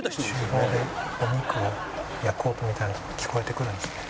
厨房でお肉を焼く音みたいなのが聞こえてくるんですね。